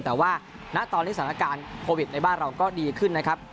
แต่ว่าณตอนนี้สถานการณ์โควิดในบ้านเราก็ดีขึ้นนะครับ